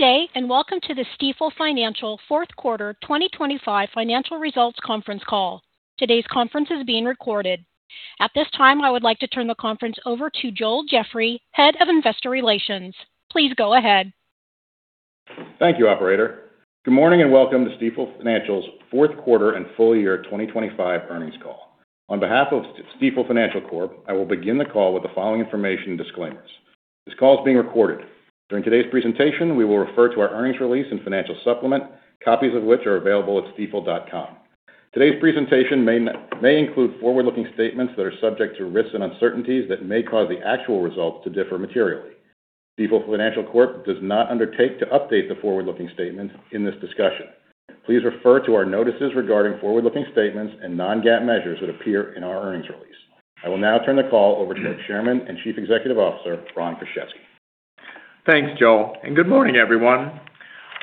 Good day, and welcome to the Stifel Financial Fourth Quarter 2025 Financial Results Conference Call. Today's conference is being recorded. At this time, I would like to turn the conference over to Joel Jeffrey, Head of Investor Relations. Please go ahead. Thank you, operator. Good morning, and welcome to Stifel Financial's fourth quarter and full year 2025 earnings call. On behalf of Stifel Financial Corp, I will begin the call with the following information and disclaimers. This call is being recorded. During today's presentation, we will refer to our earnings release and financial supplement, copies of which are available at stifel.com. Today's presentation may include forward-looking statements that are subject to risks and uncertainties that may cause the actual results to differ materially. Stifel Financial Corp does not undertake to update the forward-looking statements in this discussion. Please refer to our notices regarding forward-looking statements and non-GAAP measures that appear in our earnings release. I will now turn the call over to our Chairman and Chief Executive Officer, Ron Kruszewski. Thanks, Joel, and good morning, everyone.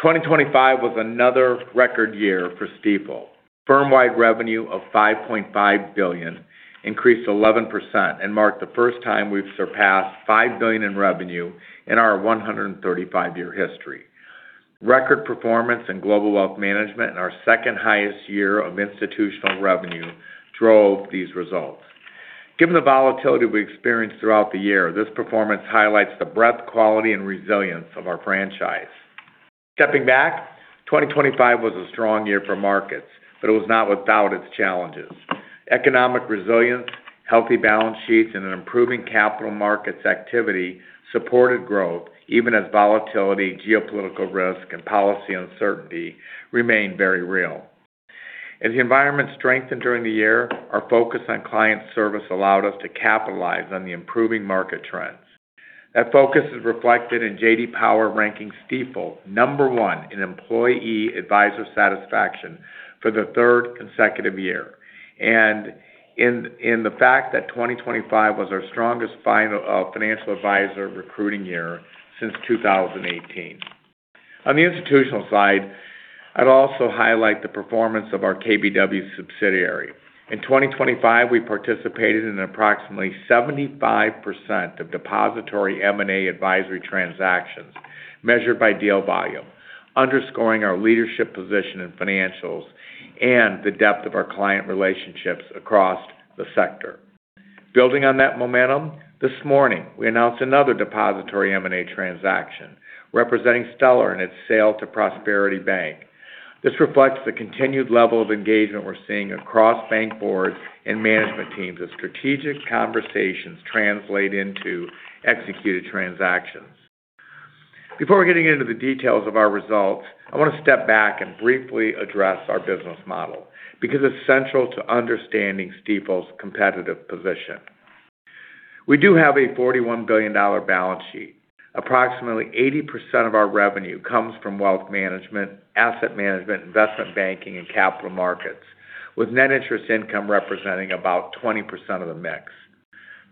2025 was another record year for Stifel. Firm-wide revenue of $5.5 billion increased 11% and marked the first time we've surpassed $5 billion in revenue in our 135-year history. Record performance in Global Wealth Management and our second-highest year of institutional revenue drove these results. Given the volatility we experienced throughout the year, this performance highlights the breadth, quality, and resilience of our franchise. Stepping back, 2025 was a strong year for markets, but it was not without its challenges. Economic resilience, healthy balance sheets, and an improving capital markets activity supported growth, even as volatility, geopolitical risk, and policy uncertainty remained very real. As the environment strengthened during the year, our focus on client service allowed us to capitalize on the improving market trends. That focus is reflected in J.D. Power ranking Stifel number one in employee advisor satisfaction for the third consecutive year, and the fact that 2025 was our strongest financial advisor recruiting year since 2018. On the institutional side, I'd also highlight the performance of our KBW subsidiary. In 2025, we participated in approximately 75% of depository M&A advisory transactions, measured by deal volume, underscoring our leadership position in financials and the depth of our client relationships across the sector. Building on that momentum, this morning, we announced another depository M&A transaction, representing Stellar in its sale to Prosperity Bancshares. This reflects the continued level of engagement we're seeing across bank boards and management teams as strategic conversations translate into executed transactions. Before getting into the details of our results, I want to step back and briefly address our business model because it's central to understanding Stifel's competitive position. We do have a $41 billion balance sheet. Approximately 80% of our revenue comes from wealth management, asset management, investment banking, and capital markets, with net interest income representing about 20% of the mix.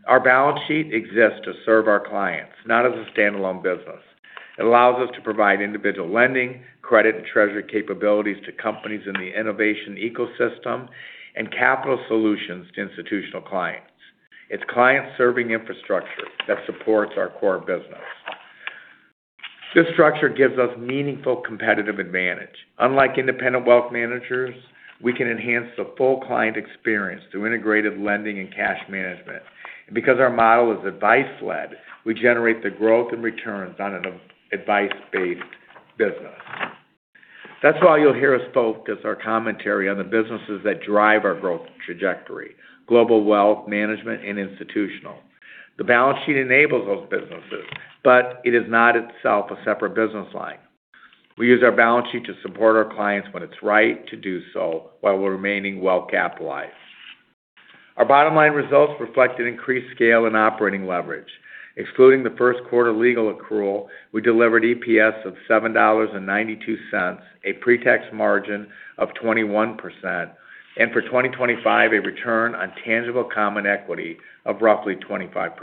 Our balance sheet exists to serve our clients, not as a standalone business. It allows us to provide individual lending, credit and treasury capabilities to companies in the innovation ecosystem and capital solutions to institutional clients. It's client-serving infrastructure that supports our core business. This structure gives us meaningful competitive advantage. Unlike independent wealth managers, we can enhance the full client experience through integrated lending and cash management. Because our model is advice-led, we generate the growth and returns on an advice-based business. That's why you'll hear us focus our commentary on the businesses that drive our growth trajectory, global wealth management and institutional. The balance sheet enables those businesses, but it is not itself a separate business line. We use our balance sheet to support our clients when it's right to do so, while remaining well-capitalized. Our bottom line results reflect an increased scale in operating leverage. Excluding the first quarter legal accrual, we delivered EPS of $7.92, a pre-tax margin of 21%, and for 2025, a return on tangible common equity of roughly 25%.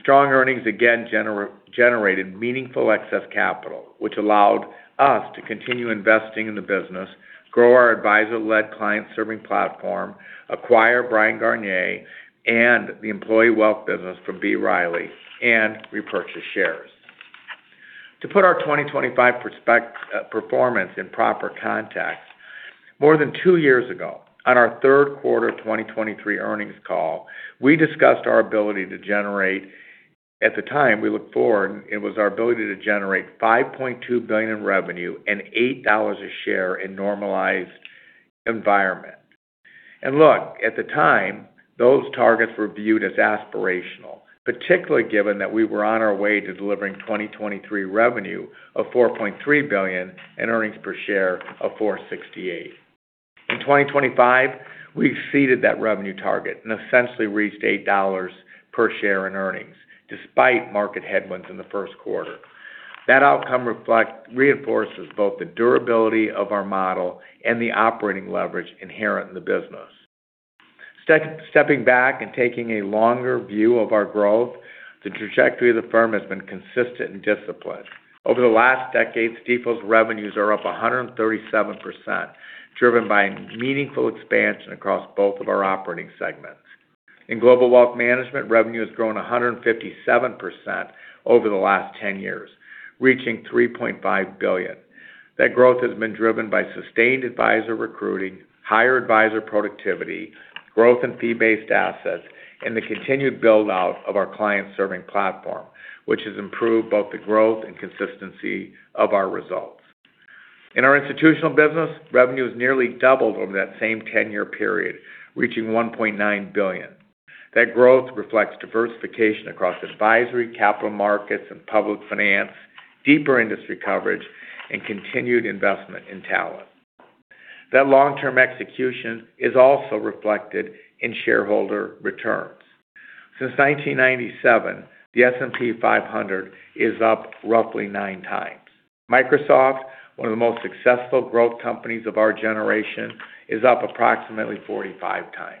Strong earnings again generated meaningful excess capital, which allowed us to continue investing in the business, grow our advisor-led client-serving platform, acquire Bryan Garnier and the employee wealth business from B. Riley, and repurchase shares. To put our 2025 performance in proper context, more than 2 years ago, on our third quarter of 2023 earnings call, we discussed our ability to generate... At the time, we looked forward, it was our ability to generate $5.2 billion in revenue and $8 a share in normalized environment. And look, at the time, those targets were viewed as aspirational, particularly given that we were on our way to delivering 2023 revenue of $4.3 billion and earnings per share of $4.68. In 2025, we exceeded that revenue target and essentially reached $8 per share in earnings, despite market headwinds in the first quarter. That outcome reinforces both the durability of our model and the operating leverage inherent in the business. Stepping back and taking a longer view of our growth, the trajectory of the firm has been consistent and disciplined. Over the last decade, Stifel's revenues are up 137%, driven by meaningful expansion across both of our operating segments.... In Global Wealth Management, revenue has grown 157% over the last ten years, reaching $3.5 billion. That growth has been driven by sustained advisor recruiting, higher advisor productivity, growth in fee-based assets, and the continued build-out of our client-serving platform, which has improved both the growth and consistency of our results. In our institutional business, revenue has nearly doubled over that same ten-year period, reaching $1.9 billion. That growth reflects diversification across advisory, capital markets, and public finance, deeper industry coverage, and continued investment in talent. That long-term execution is also reflected in shareholder returns. Since 1997, the S&P 500 is up roughly 9 times. Microsoft, one of the most successful growth companies of our generation, is up approximately 45 times.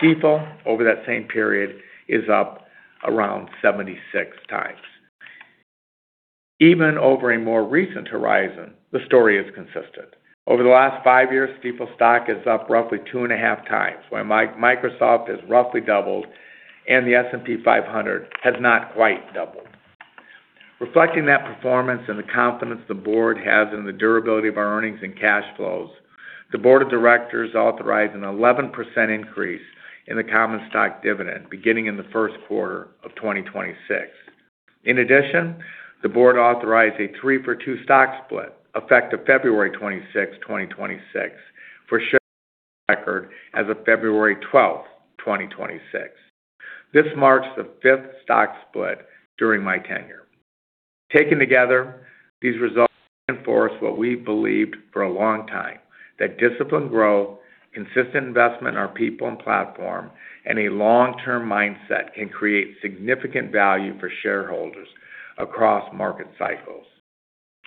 Stifel, over that same period, is up around 76 times. Even over a more recent horizon, the story is consistent. Over the last 5 years, Stifel stock is up roughly 2.5 times, while Microsoft has roughly doubled and the S&P 500 has not quite doubled. Reflecting that performance and the confidence the board has in the durability of our earnings and cash flows, the board of directors authorized an 11% increase in the common stock dividend beginning in the first quarter of 2026. In addition, the board authorized a 3-for-2 stock split, effective February 26, 2026, for shares of record as of February 12, 2026. This marks the 5th stock split during my tenure. Taken together, these results reinforce what we've believed for a long time, that disciplined growth, consistent investment in our people and platform, and a long-term mindset can create significant value for shareholders across market cycles.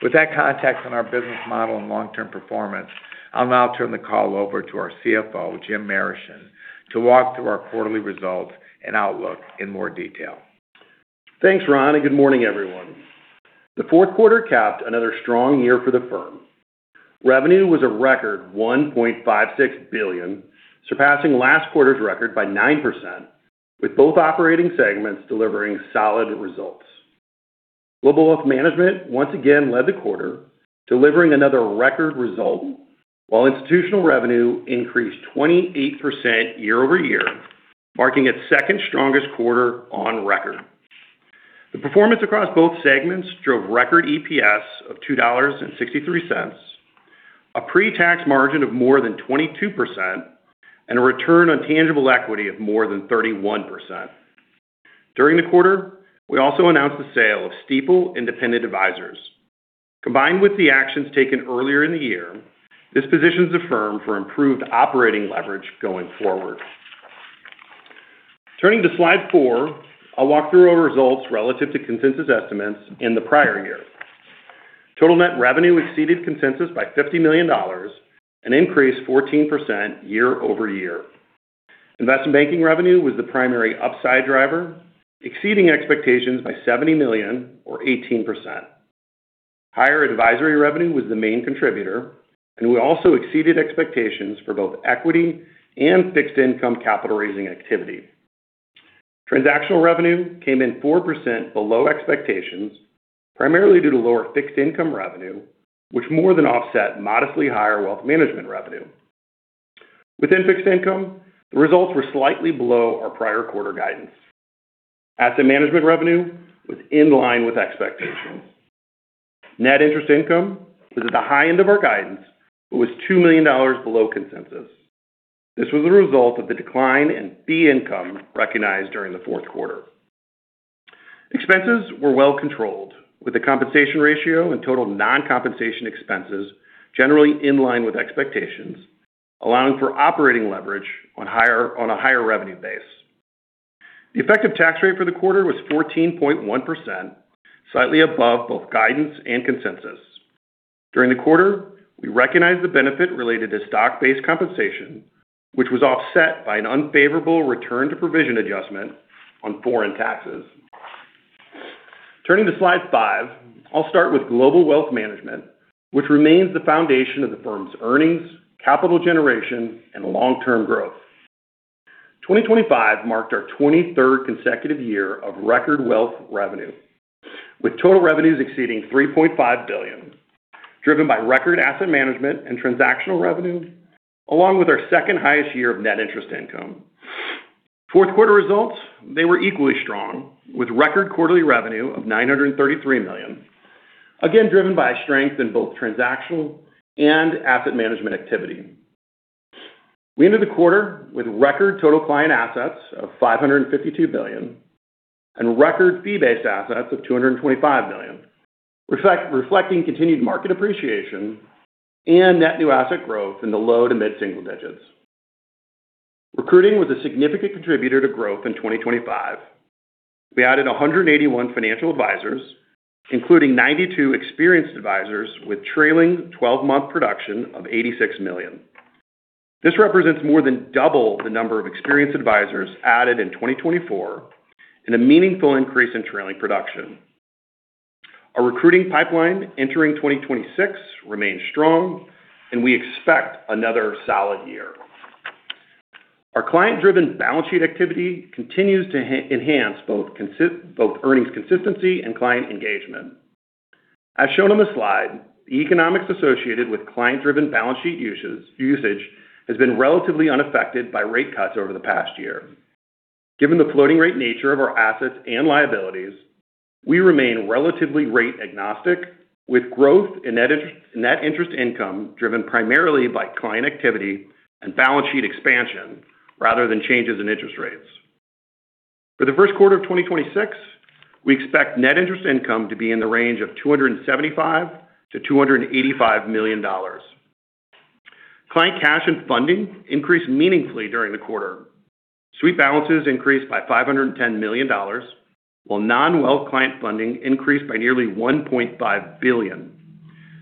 With that context on our business model and long-term performance, I'll now turn the call over to our CFO, Jim Marischen, to walk through our quarterly results and outlook in more detail. Thanks, Ron, and good morning, everyone. The fourth quarter capped another strong year for the firm. Revenue was a record $1.56 billion, surpassing last quarter's record by 9%, with both operating segments delivering solid results. Global Wealth Management once again led the quarter, delivering another record result, while Institutional Revenue increased 28% year-over-year, marking its second strongest quarter on record. The performance across both segments drove record EPS of $2.63, a pretax margin of more than 22%, and a return on tangible equity of more than 31%. During the quarter, we also announced the sale of Stifel Independent Advisors. Combined with the actions taken earlier in the year, this positions the firm for improved operating leverage going forward. Turning to slide four, I'll walk through our results relative to consensus estimates in the prior year. Total net revenue exceeded consensus by $50 million, an increase 14% year-over-year. Investment banking revenue was the primary upside driver, exceeding expectations by $70 million or 18%. Higher advisory revenue was the main contributor, and we also exceeded expectations for both equity and fixed income capital raising activity. Transactional revenue came in 4% below expectations, primarily due to lower fixed income revenue, which more than offset modestly higher wealth management revenue. Within fixed income, the results were slightly below our prior quarter guidance. Asset management revenue was in line with expectations. Net interest income was at the high end of our guidance, but was $2 million below consensus. This was a result of the decline in fee income recognized during the fourth quarter. Expenses were well controlled, with the compensation ratio and total non-compensation expenses generally in line with expectations, allowing for operating leverage on a higher revenue base. The effective tax rate for the quarter was 14.1%, slightly above both guidance and consensus. During the quarter, we recognized the benefit related to stock-based compensation, which was offset by an unfavorable return to provision adjustment on foreign taxes. Turning to slide five, I'll start with global wealth management, which remains the foundation of the firm's earnings, capital generation, and long-term growth. 2025 marked our 23rd consecutive year of record wealth revenue, with total revenues exceeding $3.5 billion, driven by record asset management and transactional revenue, along with our second highest year of net interest income. Fourth quarter results, they were equally strong, with record quarterly revenue of $933 million, again, driven by strength in both transactional and asset management activity. We ended the quarter with record total client assets of $552 billion and record fee-based assets of $225 million, reflecting continued market appreciation and net new asset growth in the low to mid single digits. Recruiting was a significant contributor to growth in 2025. We added 181 financial advisors, including 92 experienced advisors with trailing twelve-month production of $86 million. This represents more than double the number of experienced advisors added in 2024 and a meaningful increase in trailing production.... Our recruiting pipeline entering 2026 remains strong, and we expect another solid year. Our client-driven balance sheet activity continues to enhance both earnings consistency and client engagement. As shown on the slide, the economics associated with client-driven balance sheet usage has been relatively unaffected by rate cuts over the past year. Given the floating rate nature of our assets and liabilities, we remain relatively rate agnostic, with growth in net interest income driven primarily by client activity and balance sheet expansion rather than changes in interest rates. For the first quarter of 2026, we expect net interest income to be in the range of $275 million-$285 million. Client cash and funding increased meaningfully during the quarter. Sweep balances increased by $510 million, while non-wealth client funding increased by nearly $1.5 billion.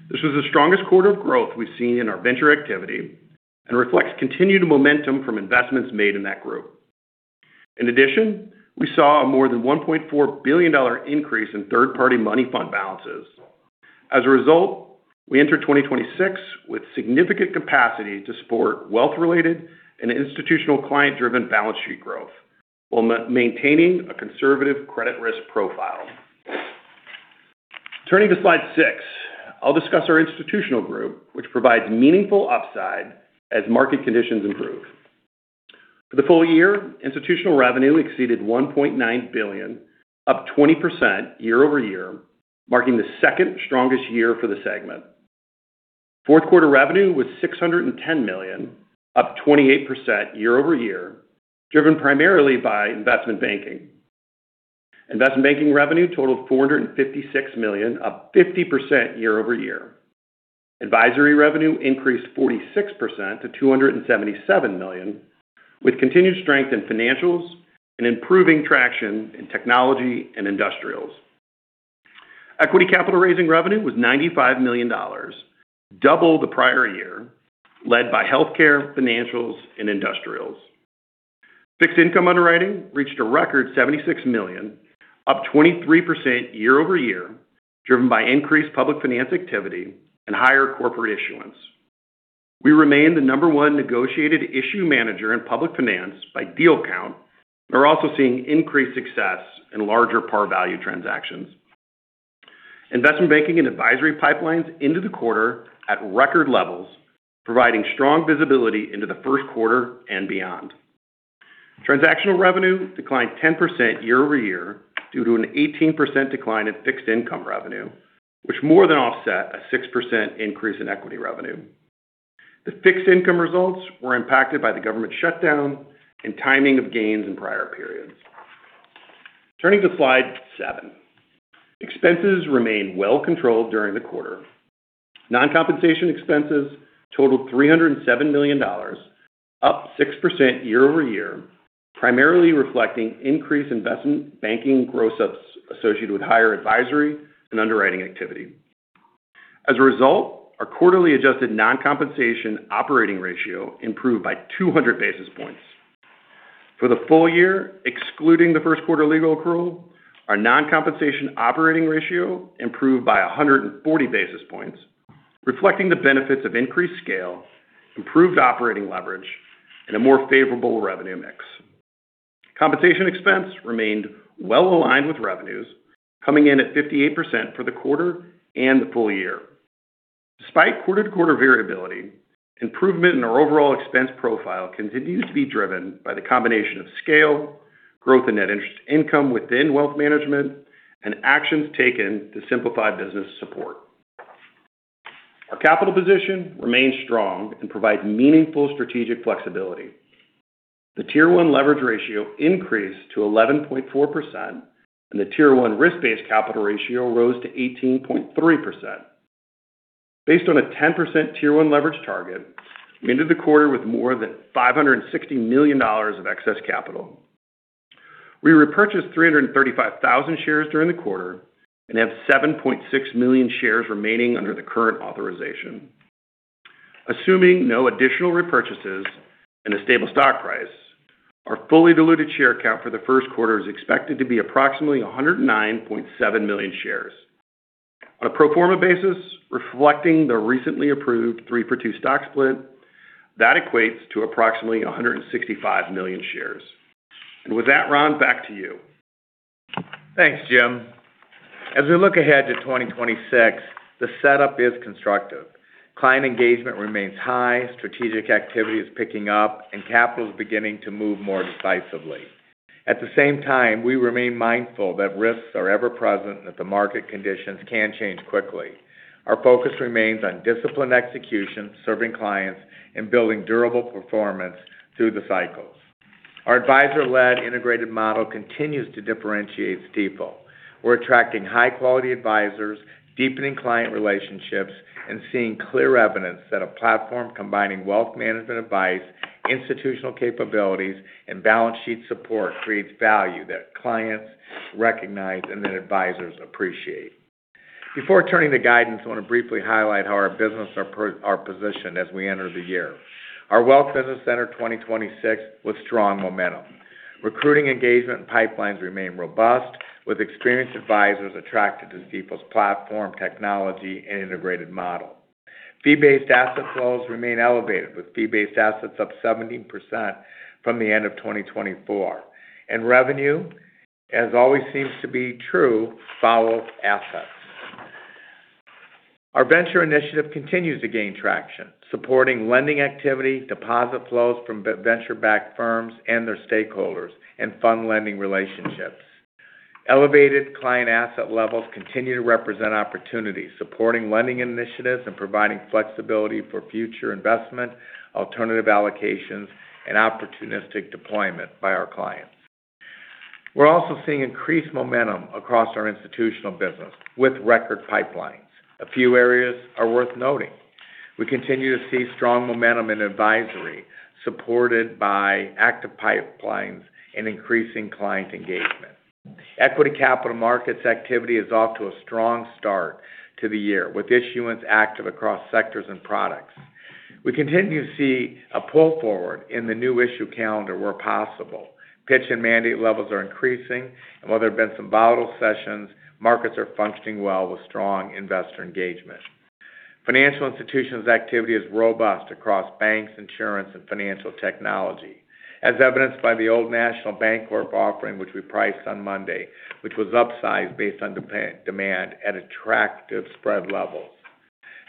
This was the strongest quarter of growth we've seen in our Venture activity and reflects continued momentum from investments made in that group. In addition, we saw a more than $1.4 billion increase in third-party money fund balances. As a result, we entered 2026 with significant capacity to support wealth-related and institutional client-driven balance sheet growth, while maintaining a conservative credit risk profile. Turning to slide 6, I'll discuss our institutional group, which provides meaningful upside as market conditions improve. For the full year, institutional revenue exceeded $1.9 billion, up 20% year-over-year, marking the second strongest year for the segment. Fourth quarter revenue was $610 million, up 28% year-over-year, driven primarily by investment banking. Investment banking revenue totaled $456 million, up 50% year-over-year. Advisory revenue increased 46% to $277 million, with continued strength in financials and improving traction in technology and industrials. Equity capital raising revenue was $95 million, double the prior year, led by healthcare, financials, and industrials. Fixed income underwriting reached a record $76 million, up 23% year-over-year, driven by increased public finance activity and higher corporate issuance. We remain the number one negotiated issue manager in public finance by deal count. We're also seeing increased success in larger par value transactions. Investment banking and advisory pipelines into the quarter at record levels, providing strong visibility into the first quarter and beyond. Transactional revenue declined 10% year-over-year due to an 18% decline in fixed income revenue, which more than offset a 6% increase in equity revenue. The fixed income results were impacted by the government shutdown and timing of gains in prior periods. Turning to slide 7. Expenses remained well controlled during the quarter. Non-compensation expenses totaled $307 million, up 6% year-over-year, primarily reflecting increased investment banking gross ups associated with higher advisory and underwriting activity. As a result, our quarterly adjusted non-compensation operating ratio improved by 200 basis points. For the full year, excluding the first quarter legal accrual, our non-compensation operating ratio improved by 140 basis points, reflecting the benefits of increased scale, improved operating leverage, and a more favorable revenue mix. Compensation expense remained well aligned with revenues, coming in at 58% for the quarter and the full year. Despite quarter-to-quarter variability, improvement in our overall expense profile continues to be driven by the combination of scale, growth in net interest income within wealth management, and actions taken to simplify business support. Our capital position remains strong and provides meaningful strategic flexibility. The Tier 1 leverage ratio increased to 11.4%, and the Tier 1 risk-based capital ratio rose to 18.3%. Based on a 10% Tier 1 leverage target, we ended the quarter with more than $560 million of excess capital. We repurchased 335,000 shares during the quarter and have 7.6 million shares remaining under the current authorization. Assuming no additional repurchases and a stable stock price, our fully diluted share count for the first quarter is expected to be approximately 109.7 million shares. On a pro forma basis, reflecting the recently approved 3-for-2 stock split, that equates to approximately 165 million shares. And with that, Ron, back to you. Thanks, Jim. As we look ahead to 2026, the setup is constructive. Client engagement remains high, strategic activity is picking up, and capital is beginning to move more decisively. At the same time, we remain mindful that risks are ever present and that the market conditions can change quickly. Our focus remains on disciplined execution, serving clients, and building durable performance through the cycles. Our advisor-led integrated model continues to differentiate Stifel. We're attracting high-quality advisors, deepening client relationships, and seeing clear evidence that a platform combining wealth management advice, institutional capabilities, and balance sheet support creates value that clients recognize and that advisors appreciate. Before turning to guidance, I want to briefly highlight how our businesses are positioned as we enter the year. Our wealth business entered 2026 with strong momentum.... Recruiting engagement and pipelines remain robust, with experienced advisors attracted to Stifel's platform, technology, and integrated model. Fee-based asset flows remain elevated, with fee-based assets up 17% from the end of 2024. Revenue, as always, seems to be true, follow assets. Our venture initiative continues to gain traction, supporting lending activity, deposit flows from venture-backed firms and their stakeholders, and fund lending relationships. Elevated client asset levels continue to represent opportunities, supporting lending initiatives and providing flexibility for future investment, alternative allocations, and opportunistic deployment by our clients. We're also seeing increased momentum across our institutional business with record pipelines. A few areas are worth noting. We continue to see strong momentum in advisory, supported by active pipelines and increasing client engagement. Equity capital markets activity is off to a strong start to the year, with issuance active across sectors and products. We continue to see a pull forward in the new issue calendar where possible. Pitch and mandate levels are increasing, and while there have been some volatile sessions, markets are functioning well with strong investor engagement. Financial institutions' activity is robust across banks, insurance, and financial technology, as evidenced by the Old National Bancorp offering, which we priced on Monday, which was upsized based on demand at attractive spread levels.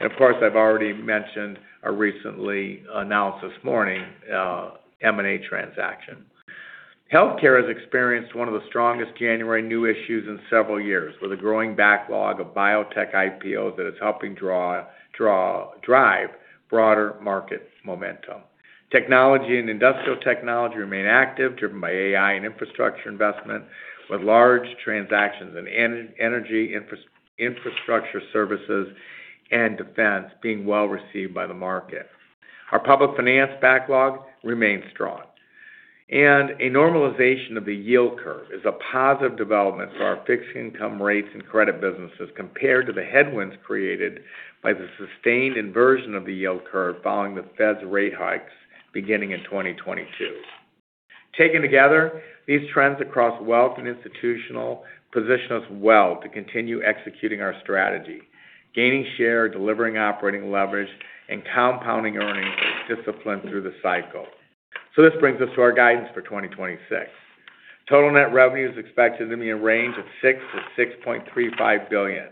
And of course, I've already mentioned our recently announced this morning, M&A transaction. Healthcare has experienced one of the strongest January new issues in several years, with a growing backlog of biotech IPOs that is helping drive broader market momentum. Technology and industrial technology remain active, driven by AI and infrastructure investment, with large transactions in energy, infrastructure, services, and defense being well received by the market. Our public finance backlog remains strong, and a normalization of the yield curve is a positive development for our fixed income rates and credit businesses, compared to the headwinds created by the sustained inversion of the yield curve following the Fed's rate hikes beginning in 2022. Taken together, these trends across wealth and institutional position us well to continue executing our strategy, gaining share, delivering operating leverage, and compounding earnings with discipline through the cycle. So this brings us to our guidance for 2026. Total net revenue is expected to be in a range of $6 billion-$6.35 billion.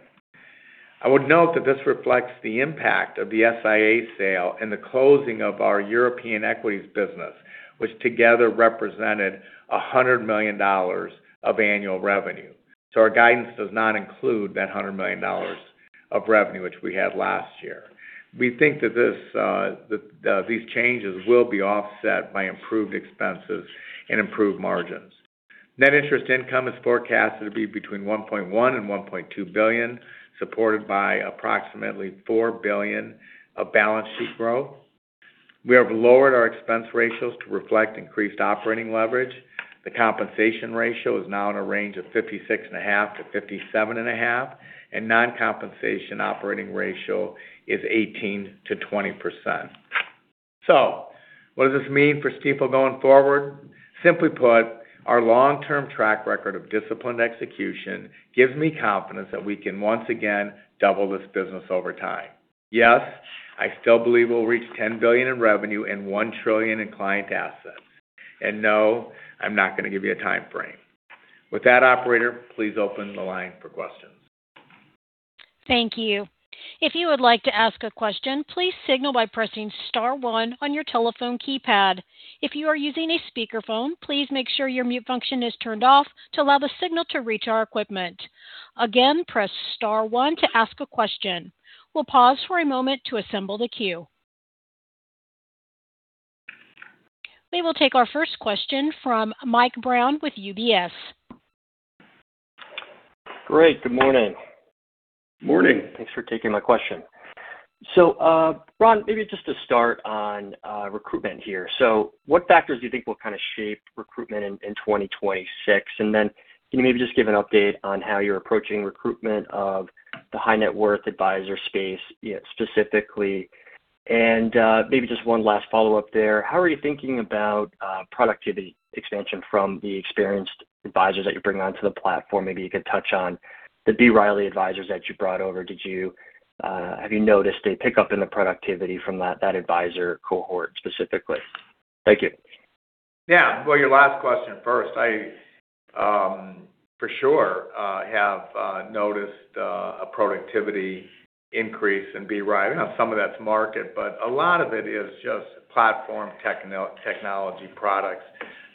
I would note that this reflects the impact of the SIA sale and the closing of our European equities business, which together represented $100 million of annual revenue. So our guidance does not include that $100 million of revenue, which we had last year. We think that this, that, these changes will be offset by improved expenses and improved margins. Net interest income is forecasted to be between $1.1 billion and $1.2 billion, supported by approximately $4 billion of balance sheet growth. We have lowered our expense ratios to reflect increased operating leverage. The compensation ratio is now in a range of 56.5%-57.5%, and non-compensation operating ratio is 18%-20%. So what does this mean for Stifel going forward? Simply put, our long-term track record of disciplined execution gives me confidence that we can once again double this business over time. Yes, I still believe we'll reach $10 billion in revenue and $1 trillion in client assets. No, I'm not going to give you a timeframe. With that, operator, please open the line for questions. Thank you. If you would like to ask a question, please signal by pressing star one on your telephone keypad. If you are using a speakerphone, please make sure your mute function is turned off to allow the signal to reach our equipment. Again, press star one to ask a question. We'll pause for a moment to assemble the queue. We will take our first question from Michael Brown with UBS. Great, good morning. Morning. Thanks for taking my question. So, Ron, maybe just to start on recruitment here. So what factors do you think will kind of shape recruitment in 2026? And then can you maybe just give an update on how you're approaching recruitment of the high net worth advisor space, specifically? And maybe just one last follow-up there. How are you thinking about productivity expansion from the experienced advisors that you're bringing onto the platform? Maybe you could touch on the B. Riley advisors that you brought over. Have you noticed a pickup in the productivity from that advisor cohort specifically? Thank you. Yeah. Well, your last question first. I for sure have noticed a productivity increase in B. Riley. Now some of that's market, but a lot of it is just platform technology products.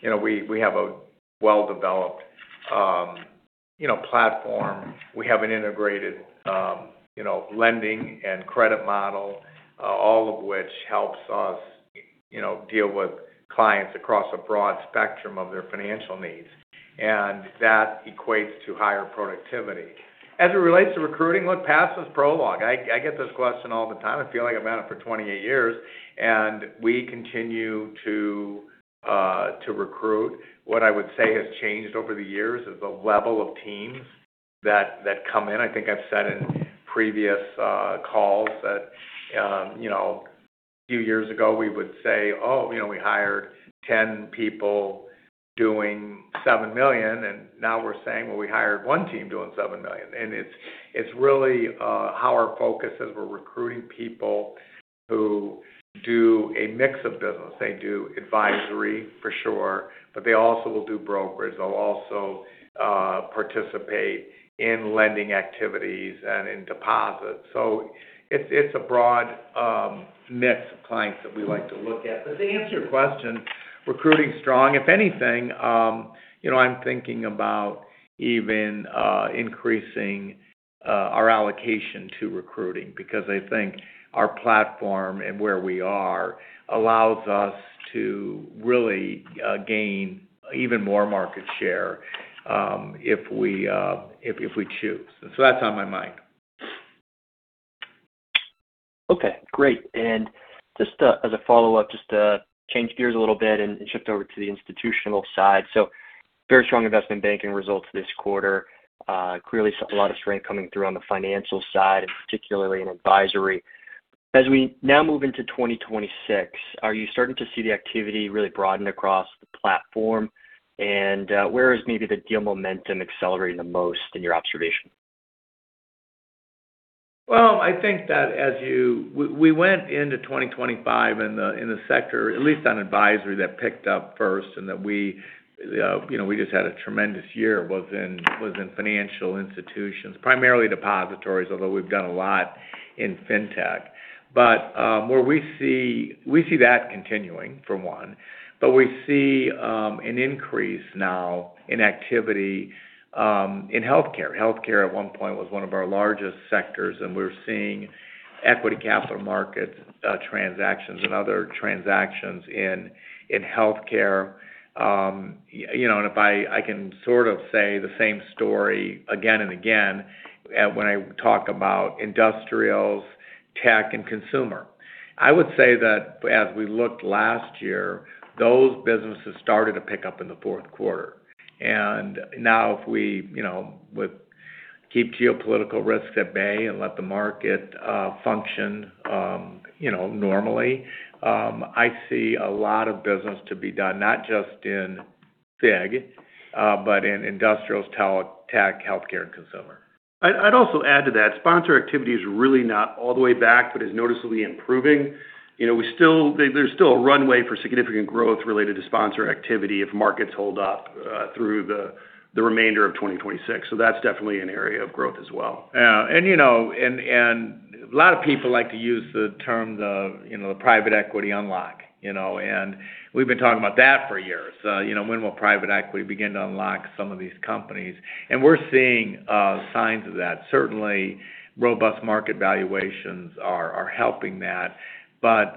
You know, we have a well-developed, you know, platform. We have an integrated, you know, lending and credit model, all of which helps us, you know, deal with clients across a broad spectrum of their financial needs, and that equates to higher productivity. As it relates to recruiting, look, past is prologue. I get this question all the time. I feel like I've answered it for 28 years, and we continue to recruit. What I would say has changed over the years is the level of teams that come in. I think I've said in previous calls that, you know-... A few years ago, we would say, "Oh, you know, we hired 10 people doing $7 million," and now we're saying, "Well, we hired one team doing $7 million." And it's really how our focus as we're recruiting people who do a mix of business. They do advisory, for sure, but they also will do brokerage. They'll also participate in lending activities and in deposits. So it's a broad mix of clients that we like to look at. But to answer your question, recruiting strong. If anything, you know, I'm thinking about even increasing our allocation to recruiting, because I think our platform and where we are allows us to really gain even more market share, if we choose. So that's on my mind. Okay, great. And just, as a follow-up, just to change gears a little bit and shift over to the institutional side. So very strong investment banking results this quarter. Clearly saw a lot of strength coming through on the financial side, and particularly in advisory. As we now move into 2026, are you starting to see the activity really broaden across the platform? And, where is maybe the deal momentum accelerating the most in your observation? Well, I think that as we went into 2025 in the, in the sector, at least on advisory, that picked up first, and that we, you know, we just had a tremendous year, was in, was in financial institutions, primarily depositories, although we've done a lot in fintech. But, where we see we see that continuing, for one, but we see, an increase now in activity, in healthcare. Healthcare, at one point, was one of our largest sectors, and we're seeing equity capital markets transactions and other transactions in, in healthcare. You know, and if I I can sort of say the same story again and again, when I talk about industrials, tech, and consumer. I would say that as we looked last year, those businesses started to pick up in the fourth quarter. Now if we, you know, would keep geopolitical risks at bay and let the market function, you know, normally, I see a lot of business to be done, not just in FIG, but in industrials, telecom, tech, healthcare, and consumer. I'd also add to that, sponsor activity is really not all the way back, but is noticeably improving. You know, we still, there's still a runway for significant growth related to sponsor activity if markets hold up through the remainder of 2026. So that's definitely an area of growth as well. A lot of people like to use the term, you know, the private equity unlock, you know, and we've been talking about that for years. You know, when will private equity begin to unlock some of these companies? And we're seeing signs of that. Certainly, robust market valuations are helping that. But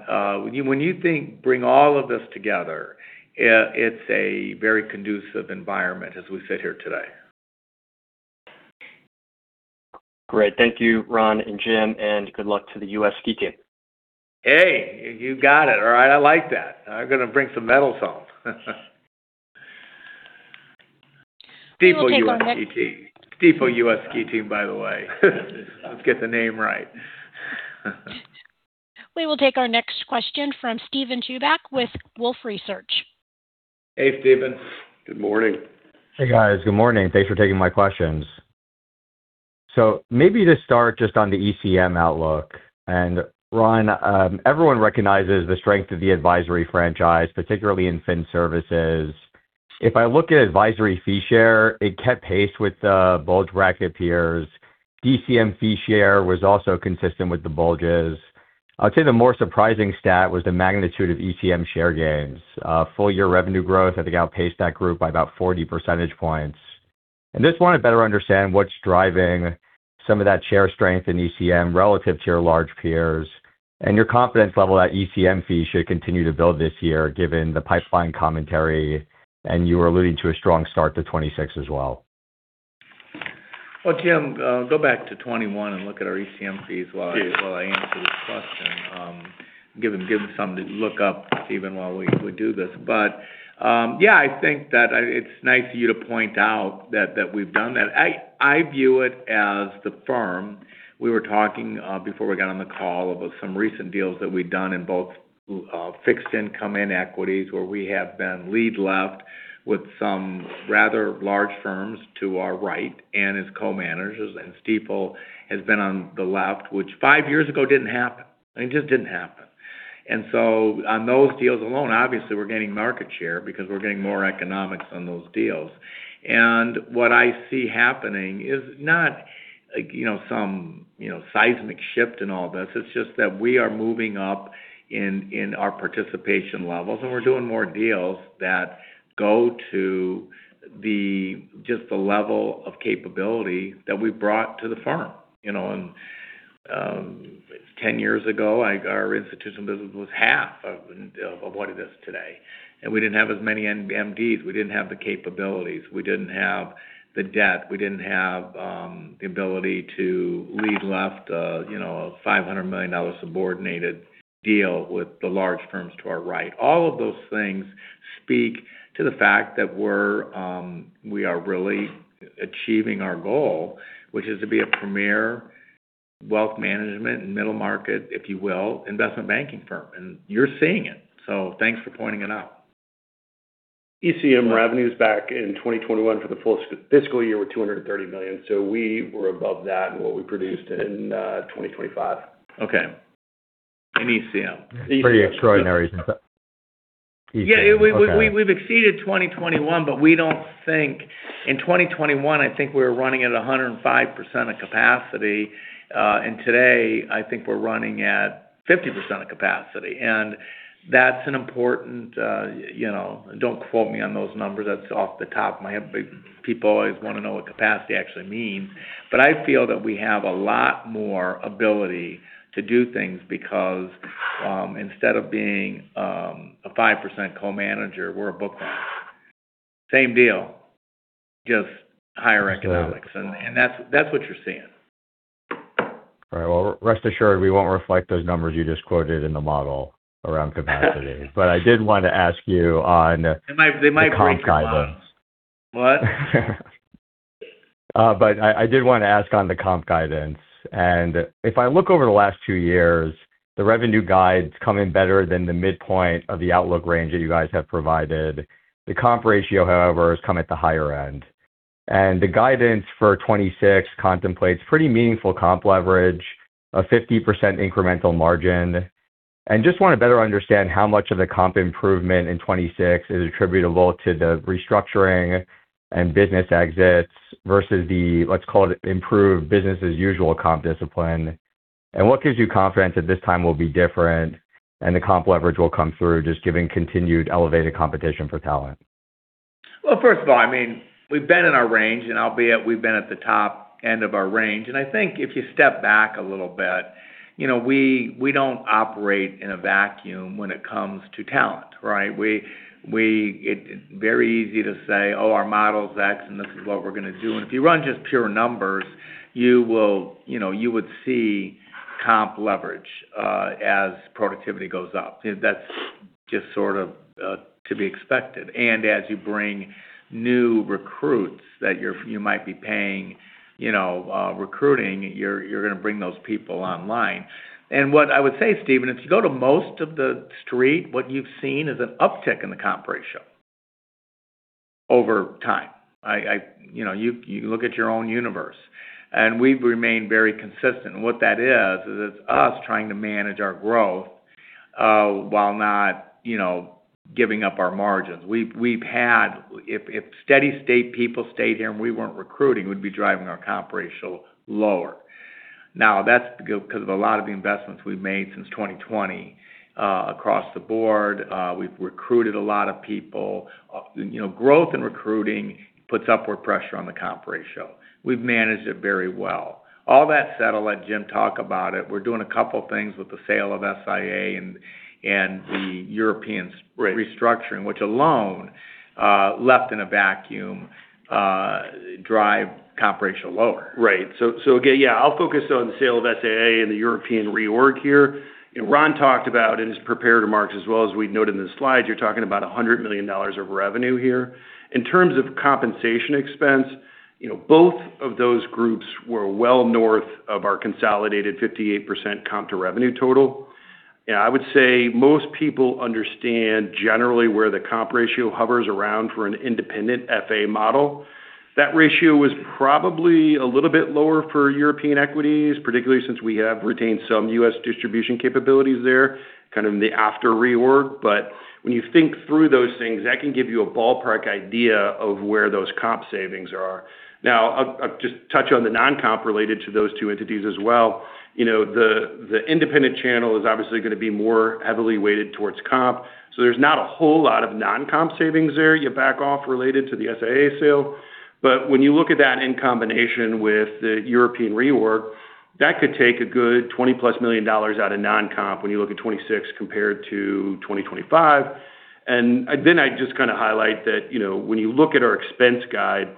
when you think, bring all of this together, it's a very conducive environment as we sit here today. Great. Thank you, Ron and Jim, and good luck to the U.S. Ski Team. Hey, you got it. All right, I like that. I'm gonna bring some medals home. We will take our next. Stifel U.S. Ski Team, by the way. Let's get the name right. We will take our next question from Steven Chubak with Wolfe Research. Hey, Steven. Good morning. Hey, guys. Good morning. Thanks for taking my questions. So maybe to start just on the ECM outlook. And Ron, everyone recognizes the strength of the advisory franchise, particularly in fin services. If I look at advisory fee share, it kept pace with the bulge bracket peers. DCM fee share was also consistent with the bulges. I'd say the more surprising stat was the magnitude of ECM share gains. Full year revenue growth, I think, outpaced that group by about 40 percentage points. And just want to better understand what's driving some of that share strength in ECM relative to your large peers, and your confidence level that ECM fees should continue to build this year, given the pipeline commentary, and you were alluding to a strong start to 2026 as well. Well, Jim, go back to 2021 and look at our ECM fees while I, while I answer this question. Give them, give them something to look up even while we, we do this. But, yeah, I think that it's nice of you to point out that, that we've done that. I, I view it as the firm. We were talking, before we got on the call about some recent deals that we've done in both, fixed income and equities, where we have been lead left with some rather large firms to our right and as co-managers, and Stifel has been on the left, which five years ago didn't happen. It just didn't happen. And so on those deals alone, obviously, we're gaining market share because we're getting more economics on those deals. What I see happening is not, you know, some, you know, seismic shift in all this. It's just that we are moving up in our participation levels, and we're doing more deals that go to the just the level of capability that we brought to the firm. You know, and 10 years ago, like, our institution business was half of what it is today, and we didn't have as many MDs, we didn't have the capabilities, we didn't have the debt, we didn't have the ability to lead left, you know, a $500 million subordinated deal with the large firms to our right. All of those things speak to the fact that we're we are really achieving our goal, which is to be a premier wealth management and middle market, if you will, investment banking firm. You're seeing it. Thanks for pointing it out. ECM revenues back in 2021 for the full fiscal year were $230 million. So we were above that in what we produced in 2025. Okay. In ECM. Pretty extraordinary. Yeah, we we've exceeded 2021, but we don't think—in 2021, I think we were running at 105% of capacity. And today, I think we're running at 50% of capacity. And that's an important, you know, don't quote me on those numbers. That's off the top of my head. But people always want to know what capacity actually means. But I feel that we have a lot more ability to do things because, instead of being, a 5% co-manager, we're a book manager. Same deal, just higher economics. And, and that's, that's what you're seeing. All right. Well, rest assured, we won't reflect those numbers you just quoted in the model around capacity. But I did want to ask you on- They might, they might break your models. the comp guidance. What? I did want to ask on the comp guidance, and if I look over the last two years, the revenue guides come in better than the midpoint of the outlook range that you guys have provided. The comp ratio, however, has come at the higher end. The guidance for 2026 contemplates pretty meaningful comp leverage, a 50% incremental margin. I just want to better understand how much of the comp improvement in 2026 is attributable to the restructuring and business exits versus the, let's call it, improved business as usual comp discipline. What gives you confidence that this time will be different and the comp leverage will come through, just giving continued elevated competition for talent? Well, first of all, I mean, we've been in our range, and albeit we've been at the top end of our range, and I think if you step back a little bit, you know, we don't operate in a vacuum when it comes to talent, right? It's very easy to say, "Oh, our model is X, and this is what we're going to do." And if you run just pure numbers, you will, you know, you would see comp leverage as productivity goes up. That's just sort of to be expected. And as you bring new recruits that you're you might be paying, you know, recruiting, you're going to bring those people online. And what I would say, Steven, if you go to most of the street, what you've seen is an uptick in the comp ratio over time. You know, you look at your own universe, and we've remained very consistent. And what that is, is it's us trying to manage our growth, while not, you know, giving up our margins. We've had, If steady state people stayed here and we weren't recruiting, we'd be driving our comp ratio lower. Now, that's because of a lot of the investments we've made since 2020, across the board. We've recruited a lot of people. You know, growth in recruiting puts upward pressure on the comp ratio. We've managed it very well. All that said, I'll let Jim talk about it. We're doing a couple things with the sale of SIA and the European. Right Restructuring, which alone, left in a vacuum, drive comp ratio lower. Right. So, so, again, yeah, I'll focus on the sale of SIA and the European reorg here. And Ron talked about in his prepared remarks, as well as we've noted in the slides, you're talking about $100 million of revenue here. In terms of compensation expense, you know, both of those groups were well north of our consolidated 58% comp to revenue total. And I would say most people understand generally where the comp ratio hovers around for an independent FA model. That ratio is probably a little bit lower for European equities, particularly since we have retained some U.S. distribution capabilities there, kind of in the after reorg. But when you think through those things, that can give you a ballpark idea of where those comp savings are. Now, I'll, I'll just touch on the non-comp related to those two entities as well. You know, the independent channel is obviously going to be more heavily weighted towards comp, so there's not a whole lot of non-comp savings there. You back off related to the SIA sale. But when you look at that in combination with the European reorg, that could take a good $20+ million out of non-comp when you look at 2026 compared to 2025. And then I'd just kind of highlight that, you know, when you look at our expense guide,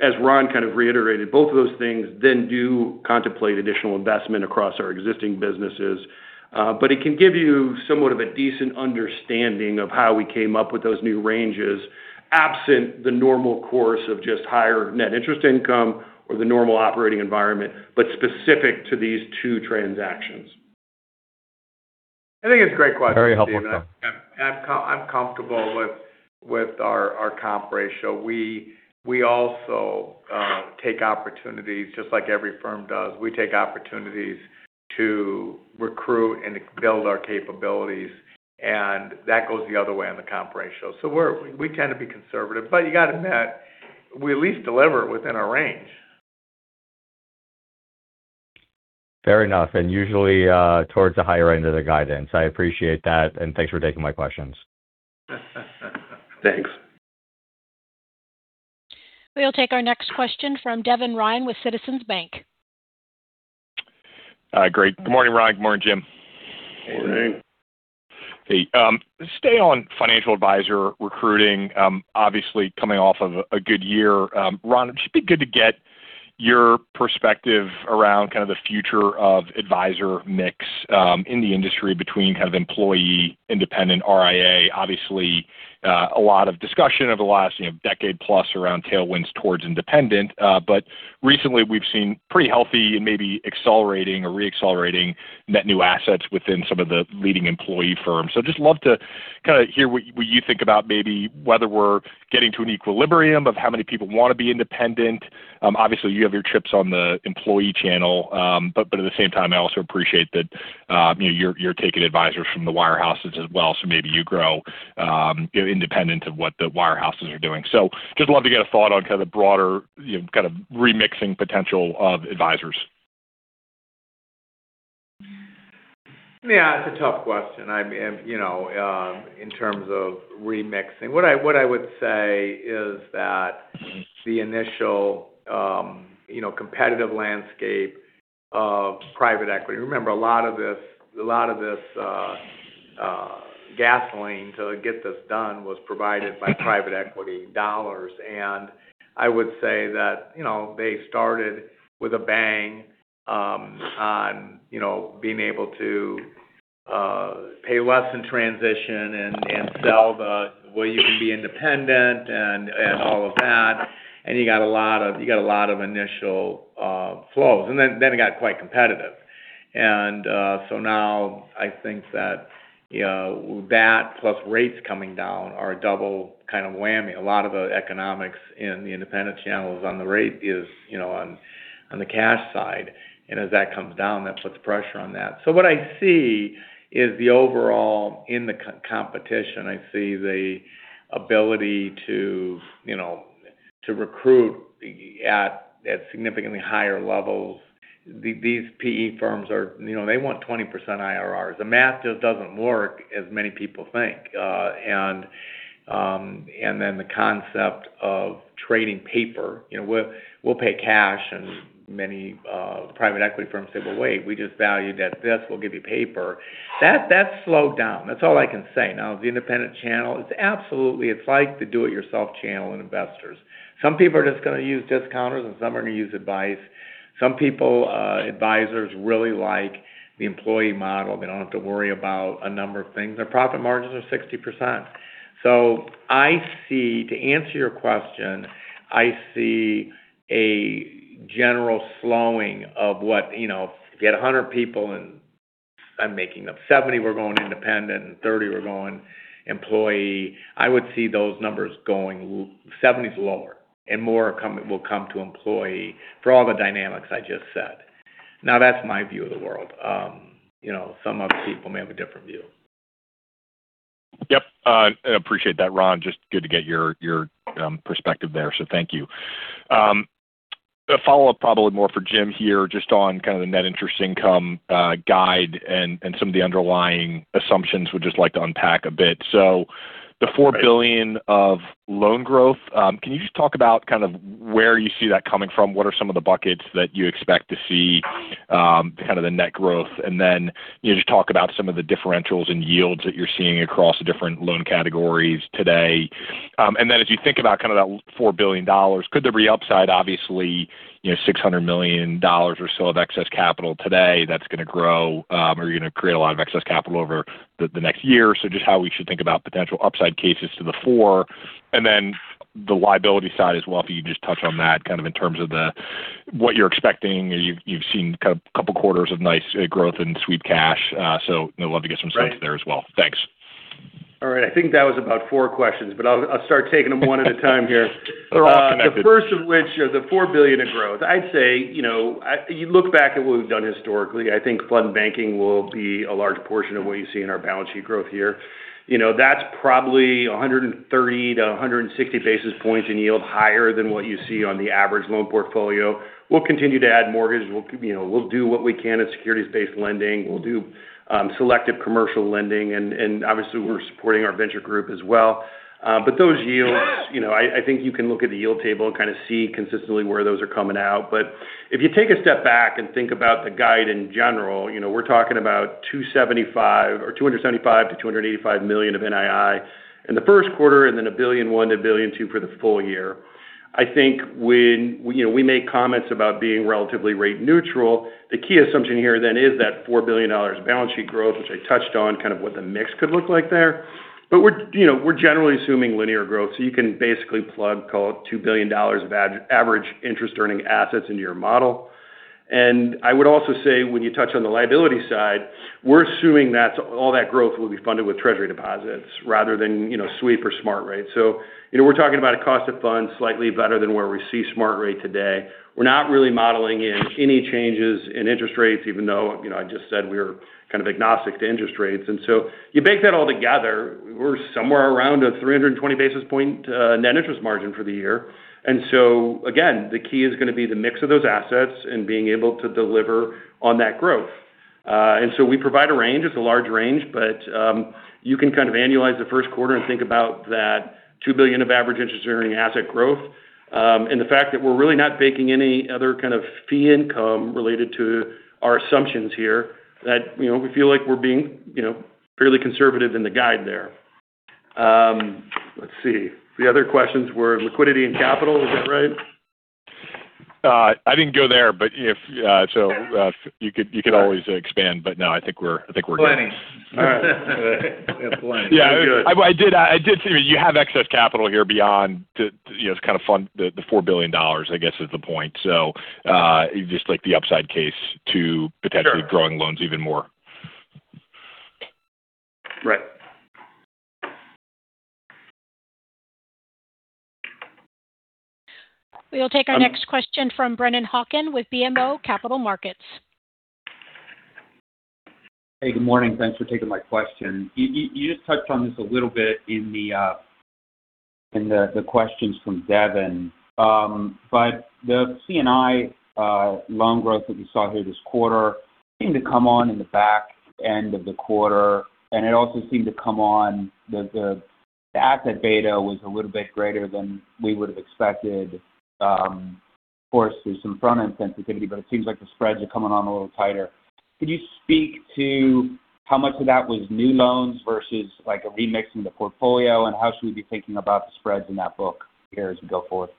as Ron kind of reiterated, both of those things then do contemplate additional investment across our existing businesses. But it can give you somewhat of a decent understanding of how we came up with those new ranges, absent the normal course of just higher net interest income or the normal operating environment, but specific to these two transactions. I think it's a great question. Very helpful, though. I'm comfortable with our comp ratio. We also take opportunities, just like every firm does. We take opportunities to recruit and build our capabilities, and that goes the other way on the comp ratio. So we tend to be conservative, but you got to admit, we at least deliver it within our range. Fair enough, and usually, towards the higher end of the guidance. I appreciate that, and thanks for taking my questions. Thanks. We'll take our next question from Devin Ryan with Citizens JMP. Great. Good morning, Ron. Good morning, Jim. Good morning. Morning. Hey, stay on financial advisor recruiting. Obviously, coming off of a good year. Ron, it should be good to get your perspective around kind of the future of advisor mix in the industry between kind of employee, independent RIA. Obviously, a lot of discussion over the last, you know, decade plus around tailwinds towards independent. But recently, we've seen pretty healthy and maybe accelerating or re-accelerating net new assets within some of the leading employee firms. So just love to kinda hear what you think about maybe whether we're getting to an equilibrium of how many people want to be independent. Obviously, you have your chips on the employee channel, but at the same time, I also appreciate that you're taking advisors from the wirehouses as well. Maybe you grow independent of what the wirehouses are doing. Just love to get a thought on kind of the broader, you know, kind of remixing potential of advisors. Yeah, it's a tough question. I mean, you know, in terms of remixing. What I would say is that the initial, you know, competitive landscape of private equity. Remember, a lot of this, a lot of this, gasoline to get this done was provided by private equity dollars. And I would say that, you know, they started with a bang, on, you know, being able to, pay less in transition and, and sell the way you can be independent and, and all of that. And you got a lot of, you got a lot of initial, flows, and then, then it got quite competitive. And, so now I think that, you know, that plus rates coming down are a double kind of whammy. A lot of the economics in the independent channels on the rate is, you know, on the cash side. And as that comes down, that puts pressure on that. So what I see is the overall in the competition, I see the ability to, you know, to recruit at significantly higher levels. These PE firms are. You know, they want 20% IRRs. The math just doesn't work as many people think. And then the concept of trading paper. You know, we'll pay cash, and many private equity firms say, "Well, wait, we just valued at this. We'll give you paper." That slowed down. That's all I can say. Now, the independent channel, it's absolutely, it's like the do-it-yourself channel and investors. Some people are just gonna use discounters, and some are gonna use advice. Some people, advisors really like the employee model. They don't have to worry about a number of things. Their profit margins are 60%. So I see, to answer your question, I see a general slowing of what, you know, if you had 100 people, and I'm making up, 70 were going independent and 30 were going employee, I would see those numbers going. 70 is lower, and more will come to employee for all the dynamics I just said. Now, that's my view of the world. You know, some other people may have a different view. Yep, I appreciate that, Ron. Just good to get your perspective there, so thank you. A follow-up, probably more for Jim here, just on kind of the net interest income guide and some of the underlying assumptions would just like to unpack a bit. So the $4 billion. Right. Of loan growth, can you just talk about kind of where you see that coming from? What are some of the buckets that you expect to see, kind of the net growth? And then, you know, just talk about some of the differentials in yields that you're seeing across the different loan categories today. And then as you think about kind of that $4 billion, could there be upside, obviously, you know, $600 million or so of excess capital today that's gonna grow, or you're gonna create a lot of excess capital over the next year? So just how we should think about potential upside cases to the $4 billion, and then the liability side as well, if you just touch on that, kind of in terms of what you're expecting. You've seen kind of couple quarters of nice growth in sweep cash, so I'd love to get some sense there as well. Right. Thanks. All right. I think that was about four questions, but I'll, I'll start taking them one at a time here. They're all connected. The first of which are the $4 billion in growth. I'd say, you know, you look back at what we've done historically, I think flow banking will be a large portion of what you see in our balance sheet growth here. You know, that's probably 130 to 160 basis points in yield higher than what you see on the average loan portfolio. We'll continue to add mortgage. We'll, you know, we'll do what we can as securities-based lending. We'll do selective commercial lending, and obviously we're supporting our venture group as well. But those yields, you know, I think you can look at the yield table and kind of see consistently where those are coming out. But if you take a step back and think about the guide in general, you know, we're talking about $275-$285 million of NII in the first quarter, and then $1.1 billion-$1.2 billion for the full year. I think when, you know, we make comments about being relatively rate neutral, the key assumption here then is that $4 billion balance sheet growth, which I touched on kind of what the mix could look like there. But we're, you know, we're generally assuming linear growth, so you can basically plug, call it $2 billion of average interest earning assets into your model. And I would also say, when you touch on the liability side, we're assuming that all that growth will be funded with Treasury deposits rather than, you know, sweep or Smart Rate. So, you know, we're talking about a cost of funds slightly better than where we see Smart Rate today. We're not really modeling in any changes in interest rates, even though, you know, I just said we're kind of agnostic to interest rates. And so you bake that all together, we're somewhere around a 320 basis point net interest margin for the year. And so again, the key is gonna be the mix of those assets and being able to deliver on that growth. And so we provide a range. It's a large range, but you can kind of annualize the first quarter and think about that $2 billion of average interest earning asset growth, and the fact that we're really not baking any other kind of fee income related to our assumptions here, that, you know, we feel like we're being, you know, fairly conservative in the guide there. Let's see. The other questions were liquidity and capital. Is that right? I didn't go there, but if so, you could always expand, but no, I think we're good. Planning. All right. We're planning. Yeah, I did see you have excess capital here beyond to, you know, to kind of fund the $4 billion, I guess, is the point. So, just like the upside case to- Sure. Potentially growing loans even more. Right. We will take our next question from Brennan Hawken, with BMO Capital Markets. Hey, good morning. Thanks for taking my question. You just touched on this a little bit in the questions from Devin. But the C&I loan growth that we saw here this quarter seemed to come on in the back end of the quarter, and it also seemed to come on the asset beta was a little bit greater than we would have expected. Of course, there's some front-end sensitivity, but it seems like the spreads are coming on a little tighter. Could you speak to how much of that was new loans versus, like, a remix in the portfolio? And how should we be thinking about the spreads in that book here as we go forward?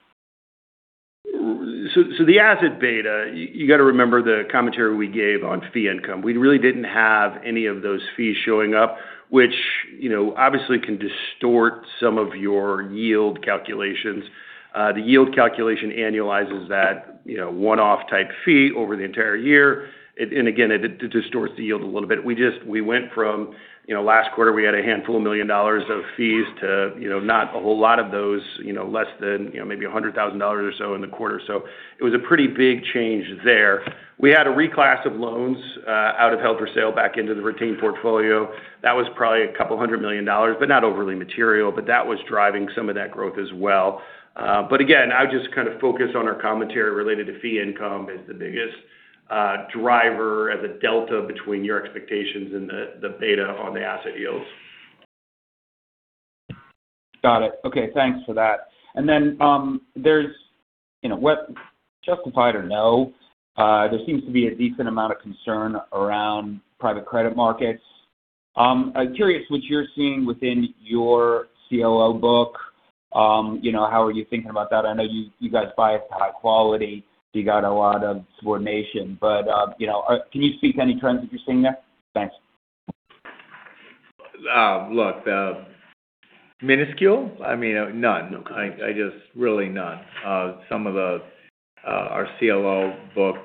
So, the asset beta, you got to remember the commentary we gave on fee income. We really didn't have any of those fees showing up, which, you know, obviously can distort some of your yield calculations. The yield calculation annualizes that, you know, one-off type fee over the entire year. It and again, it distorts the yield a little bit. We just went from, you know, last quarter, we had a handful of million dollars of fees to, you know, not a whole lot of those, you know, less than, you know, maybe $100,000 or so in the quarter. So it was a pretty big change there. We had a reclass of loans out of held for sale back into the retained portfolio. That was probably $200 million, but not overly material. But that was driving some of that growth as well. But again, I would just kind of focus on our commentary related to fee income as the biggest driver and the delta between your expectations and the beta on the asset yields. Got it. Okay, thanks for that. And then, there's, you know, whether justified or no, there seems to be a decent amount of concern around private credit markets. I'm curious what you're seeing within your CLO book. You know, how are you thinking about that? I know you, you guys buy it to high quality. You got a lot of subordination, but, you know, can you speak to any trends that you're seeing there? Thanks. Look, minuscule, I mean, none. I just really none. Some of our CLO book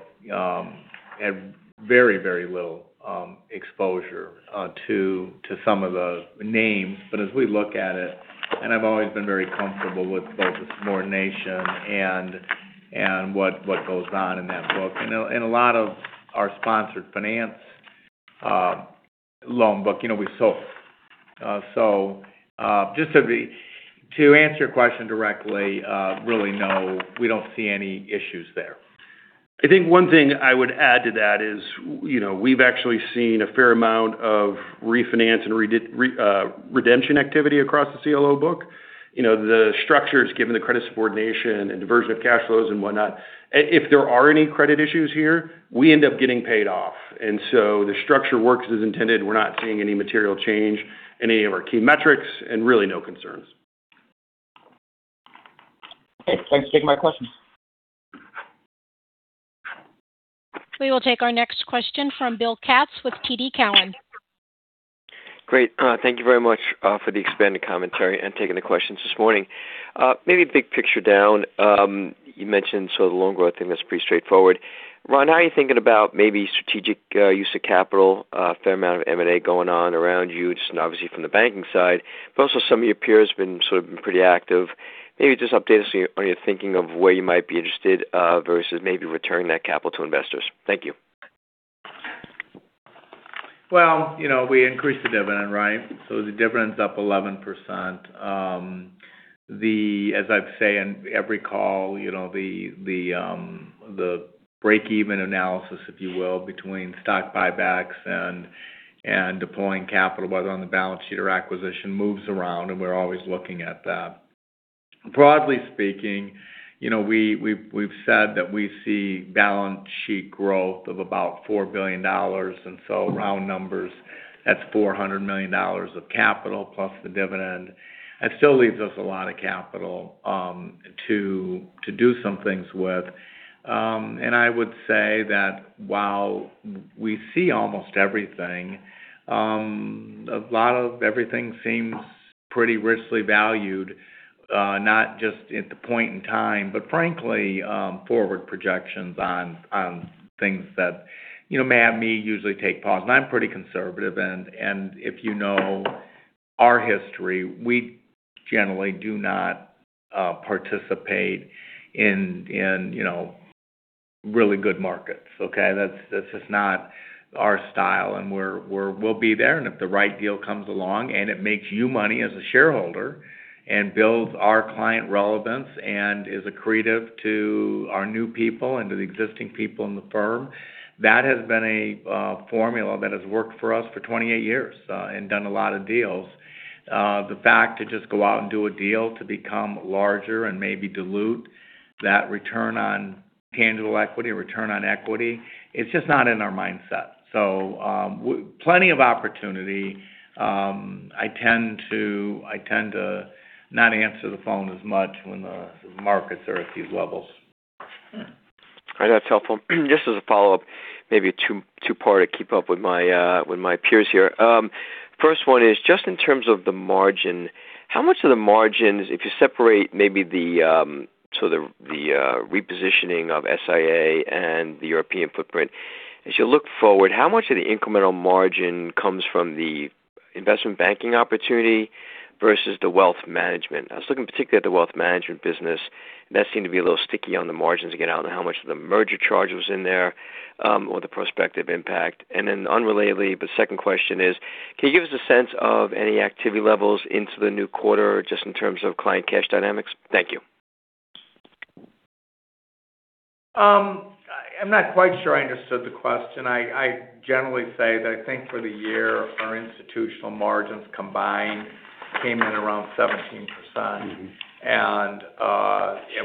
had very, very little exposure to some of the names. But as we look at it, and I've always been very comfortable with both the subordination and what goes on in that book, and a lot of our sponsored finance loan book, you know, we sold. So, just to answer your question directly, really, no, we don't see any issues there. I think one thing I would add to that is, you know, we've actually seen a fair amount of refinance and redemption activity across the CLO book. You know, the structures, given the credit subordination and diversion of cash flows and whatnot, if there are any credit issues here, we end up getting paid off, and so the structure works as intended. We're not seeing any material change in any of our key metrics and really no concerns. Okay, thanks for taking my questions. We will take our next question from Will Katz with TD Cowen. Great. Thank you very much for the expanded commentary and taking the questions this morning. Maybe big picture down. You mentioned sort of the loan growth, and that's pretty straightforward. Ron, how are you thinking about maybe strategic use of capital? A fair amount of M&A going on around you, just obviously from the banking side, but also some of your peers have been sort of pretty active. Maybe just update us on your thinking of where you might be interested versus maybe returning that capital to investors. Thank you. Well, you know, we increased the dividend, right? So the dividend's up 11%. The, as I'd say in every call, you know, the break-even analysis, if you will, between stock buybacks and deploying capital, whether on the balance sheet or acquisition, moves around, and we're always looking at that. Broadly speaking, you know, we've said that we see balance sheet growth of about $4 billion, and so round numbers, that's $400 million of capital plus the dividend. That still leaves us a lot of capital to do some things with. And I would say that while we see almost everything, a lot of everything seems pretty richly valued, not just at the point in time, but frankly, forward projections on things that, you know, may have me usually take pause. And I'm pretty conservative, and if you know our history, we generally do not participate in, you know, really good markets. Okay? That's just not our style, and we'll be there, and if the right deal comes along, and it makes you money as a shareholder and builds our client relevance and is accretive to our new people and to the existing people in the firm, that has been a formula that has worked for us for 28 years, and done a lot of deals. The fact to just go out and do a deal to become larger and maybe dilute that return on tangible equity, return on equity, it's just not in our mindset. So, plenty of opportunity. I tend to not answer the phone as much when the markets are at these levels. Hi, that's helpful. Just as a follow-up, maybe a 2, 2-parter to keep up with my, with my peers here. First one is, just in terms of the margin, how much of the margins, if you separate maybe the, so the, the, repositioning of SIA and the European footprint. As you look forward, how much of the incremental margin comes from the investment banking opportunity versus the wealth management? I was looking particularly at the wealth management business. That seemed to be a little sticky on the margins again, on how much of the merger charge was in there, or the prospective impact. And then unrelatedly, the second question is: can you give us a sense of any activity levels into the new quarter, just in terms of client cash dynamics? Thank you. I'm not quite sure I understood the question. I generally say that I think for the year, our institutional margins combined came in around 17%.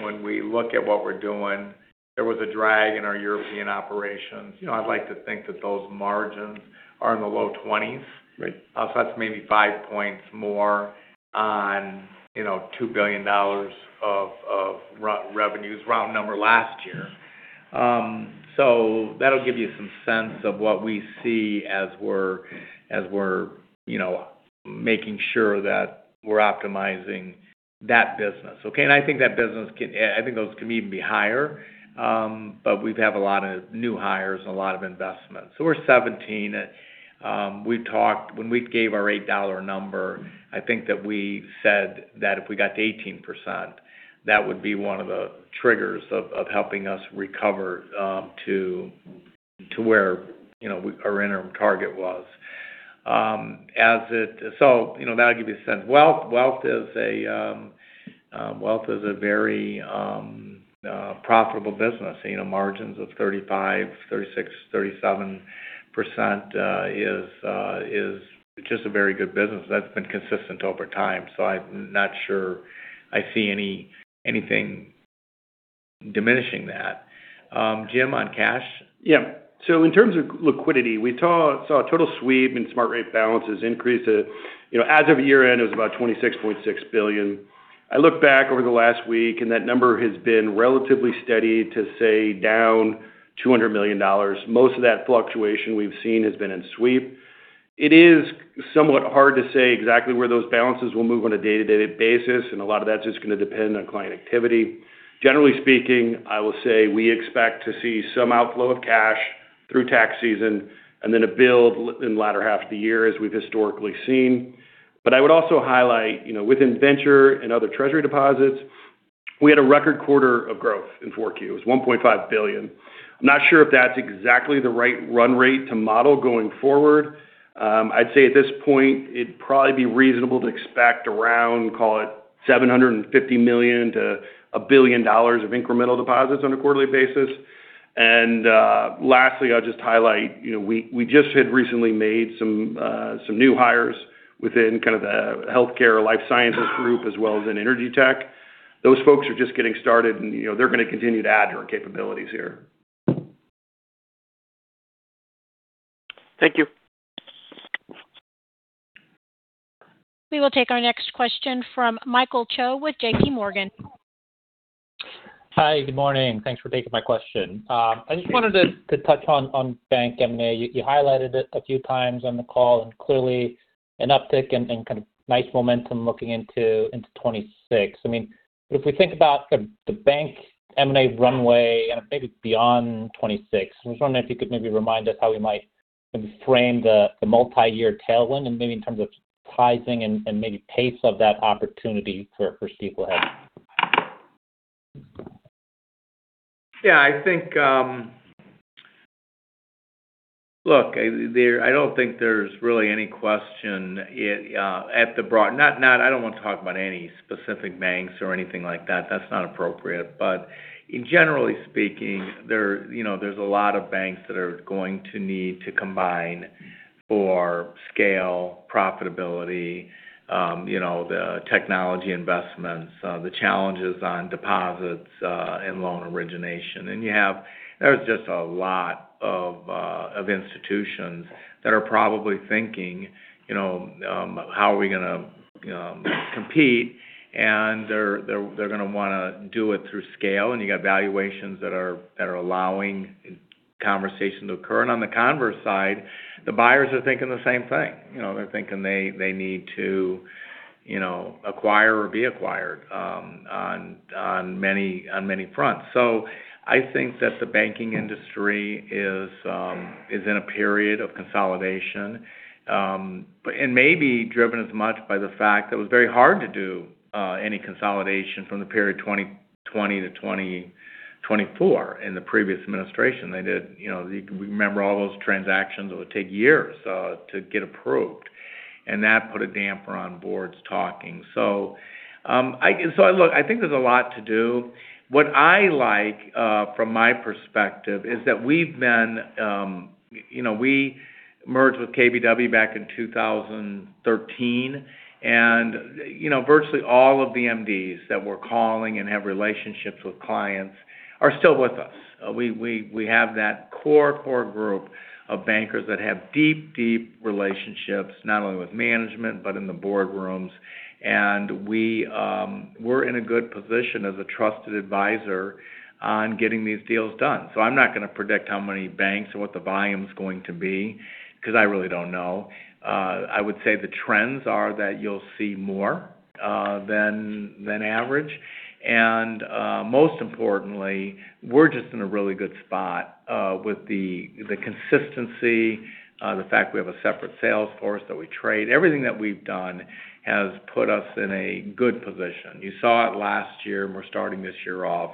When we look at what we're doing, there was a drag in our European operations. You know, I'd like to think that those margins are in the low 20s%. Right. So that's maybe 5 points more on, you know, $2 billion of revenues, round number last year. So that'll give you some sense of what we see as we're, you know, making sure that we're optimizing that business, okay? And I think that business can- I think those can even be higher. But we've have a lot of new hires and a lot of investments. So we're 17. We've talked- when we gave our $8 number, I think that we said that if we got to 18%, that would be one of the triggers of helping us recover to where, you know, we, our interim target was. As it... So, you know, that'll give you a sense. Wealth. Wealth is a very profitable business, you know, margins of 35, 36, 37%, is just a very good business that's been consistent over time. So I'm not sure I see anything diminishing that. Jim, on cash? Yeah. So in terms of liquidity, we saw total sweep and smart rate balances increase. You know, as of year-end, it was about $26.6 billion. I look back over the last week, and that number has been relatively steady to say, down $200 million. Most of that fluctuation we've seen has been in sweep. It is somewhat hard to say exactly where those balances will move on a day-to-day basis, and a lot of that's just going to depend on client activity. Generally speaking, I will say we expect to see some outflow of cash through tax season, and then a build in the latter half of the year, as we've historically seen. But I would also highlight, you know, within venture and other treasury deposits, we had a record quarter of growth in 4Q. It was $1.5 billion. I'm not sure if that's exactly the right run rate to model going forward. I'd say at this point, it'd probably be reasonable to expect around, call it $750 million-$1 billion of incremental deposits on a quarterly basis. And, lastly, I'll just highlight, you know, we just had recently made some, some new hires within kind of the healthcare life sciences group, as well as in energy tech. Those folks are just getting started, and, you know, they're going to continue to add to our capabilities here. Thank you. We will take our next question from Michael Cho with J.P. Morgan. Hi, good morning. Thanks for taking my question. I just wanted to touch on bank M&A. You highlighted it a few times on the call and clearly an uptick and kind of nice momentum looking into 2026. I mean, but if we think about the bank M&A runway and maybe beyond 2026, I was wondering if you could maybe remind us how we might kind of frame the multi-year tailwind and maybe in terms of sizing and maybe pace of that opportunity for Stifel. Yeah, I think, Look, I don't think there's really any question. I don't want to talk about any specific banks or anything like that. That's not appropriate. But in general speaking, you know, there's a lot of banks that are going to need to combine for scale, profitability, the technology investments, the challenges on deposits, and loan origination. And you have, there's just a lot of institutions that are probably thinking, you know, how are we gonna compete? And they're gonna wanna do it through scale, and you got valuations that are allowing conversations to occur. And on the converse side, the buyers are thinking the same thing. You know, they're thinking they, they need to, you know, acquire or be acquired, on, on many, on many fronts. So I think that the banking industry is, is in a period of consolidation, but and may be driven as much by the fact that it was very hard to do, any consolidation from the period 2020 to 2024 in the previous administration. They did... You know, you can remember all those transactions, it would take years, to get approved, and that put a damper on boards talking. So, I-- So look, I think there's a lot to do. What I like, from my perspective, is that we've been, you know, we merged with KBW back in 2013, and, you know, virtually all of the MDs that we're calling and have relationships with clients are still with us. We have that core group of bankers that have deep relationships, not only with management, but in the boardrooms. We're in a good position as a trusted advisor on getting these deals done. So I'm not going to predict how many banks or what the volume is going to be, because I really don't know. I would say the trends are that you'll see more than average. Most importantly, we're just in a really good spot with the consistency, the fact we have a separate sales force, that we trade. Everything that we've done has put us in a good position. You saw it last year, and we're starting this year off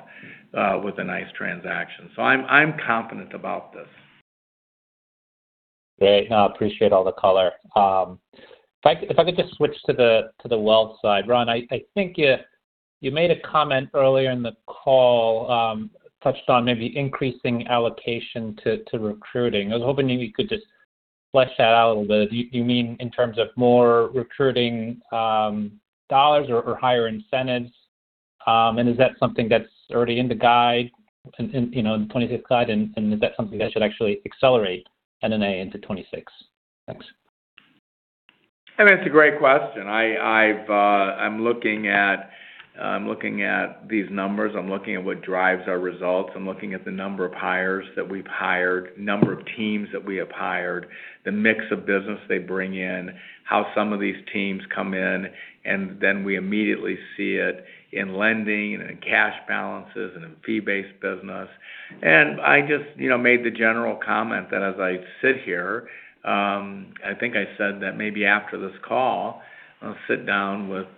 with a nice transaction. So I'm confident about this. Great. I appreciate all the color. If I could just switch to the wealth side. Ron, I think you made a comment earlier in the call, touched on maybe increasing allocation to recruiting. I was hoping you could just flesh that out a little bit. Do you mean in terms of more recruiting dollars or higher incentives? Is that something that's already in the guide, you know, the 2025 guide, and is that something that should actually accelerate NNA into 2026? Thanks. I mean, it's a great question. I've I'm looking at these numbers, I'm looking at what drives our results. I'm looking at the number of hires that we've hired, number of teams that we have hired, the mix of business they bring in, how some of these teams come in, and then we immediately see it in lending and in cash balances and in fee-based business. And I just, you know, made the general comment that as I sit here, I think I said that maybe after this call, I'll sit down with with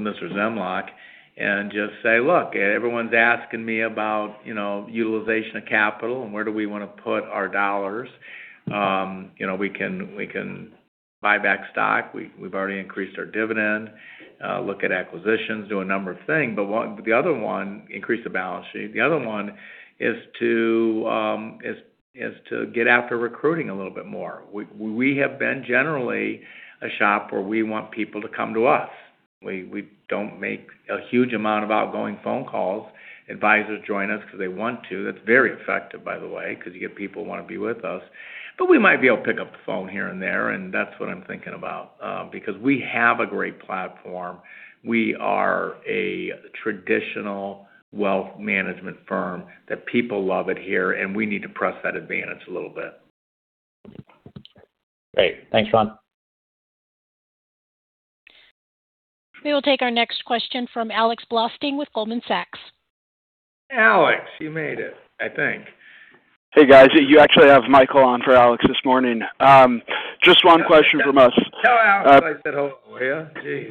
Mr. Zemlyak and just say, "Look, everyone's asking me about, you know, utilization of capital and where do we wanna put our dollars." You know, we can, we can buy back stock. We've already increased our dividend, look at acquisitions, do a number of things, but one, the other one, increase the balance sheet. The other one is to get after recruiting a little bit more. We have been generally a shop where we want people to come to us. We don't make a huge amount of outgoing phone calls. Advisors join us because they want to. That's very effective, by the way, because you get people who want to be with us. But we might be able to pick up the phone here and there, and that's what I'm thinking about, because we have a great platform. We are a traditional wealth management firm, that people love it here, and we need to press that advantage a little bit. Great. Thanks, Ron. We will take our next question from Alex Blostein with Goldman Sachs. Alex, you made it, I think. Hey, guys. You actually have Michael on for Alex this morning. Just one question from us. Tell Alex I said hello, will you? Gee.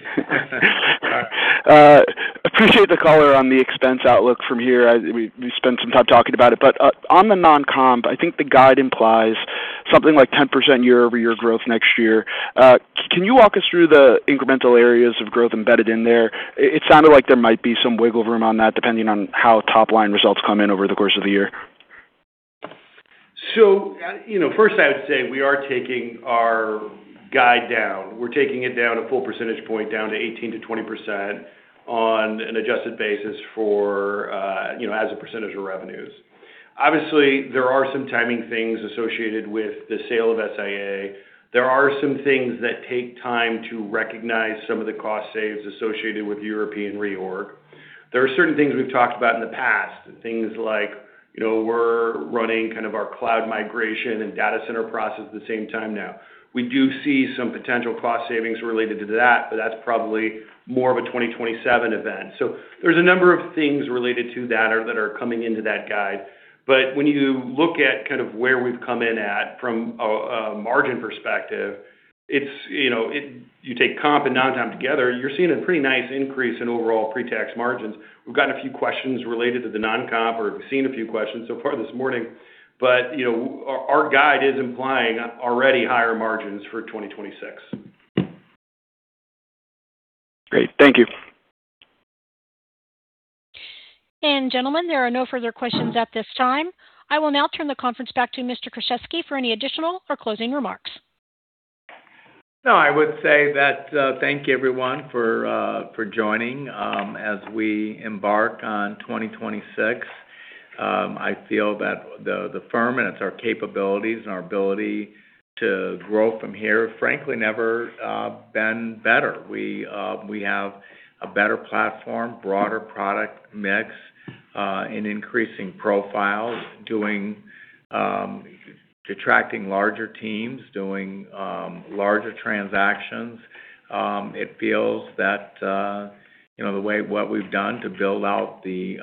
Appreciate the color on the expense outlook from here. I think we spent some time talking about it, but on the non-comp, I think the guide implies something like 10% year-over-year growth next year. Can you walk us through the incremental areas of growth embedded in there? It sounded like there might be some wiggle room on that, depending on how top-line results come in over the course of the year. So, you know, first I would say we are taking our guide down. We're taking it down a full percentage point, down to 18%-20% on an adjusted basis for, you know, as a percentage of revenues. Obviously, there are some timing things associated with the sale of SIA. There are some things that take time to recognize some of the cost saves associated with European reorg. There are certain things we've talked about in the past, things like, you know, we're running kind of our cloud migration and data center process at the same time now. We do see some potential cost savings related to that, but that's probably more of a 2027 event. So there's a number of things related to that or that are coming into that guide. When you look at kind of where we've come in at from a margin perspective, it's, you know, you take comp and non-comp together, you're seeing a pretty nice increase in overall pre-tax margins. We've gotten a few questions related to the non-comp, or we've seen a few questions so far this morning, but, you know, our guide is implying already higher margins for 2026. Great. Thank you. Gentlemen, there are no further questions at this time. I will now turn the conference back to Mr. Kruszewski for any additional or closing remarks. No, I would say that, thank you, everyone, for joining. As we embark on 2026, I feel that the firm and its capabilities and our ability to grow from here, frankly, never been better. We have a better platform, broader product mix, an increasing profile, doing attracting larger teams, doing larger transactions. It feels that, you know, the way what we've done to build out the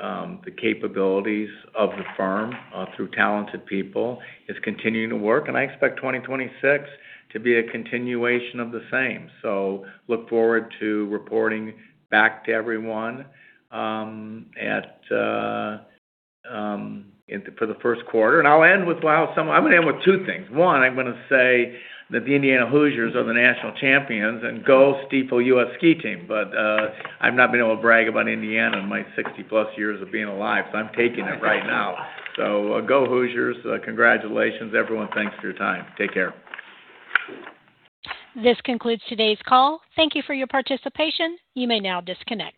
capabilities of the firm through talented people, is continuing to work, and I expect 2026 to be a continuation of the same. So look forward to reporting back to everyone for the first quarter. And I'm gonna end with two things. One, I'm gonna say that the Indiana Hoosiers are the national champions, and go Stifel U.S. Ski Team. But, I've not been able to brag about Indiana in my 60+ years of being alive, so I'm taking it right now. So go, Hoosiers! Congratulations, everyone. Thanks for your time. Take care. This concludes today's call. Thank you for your participation. You may now disconnect.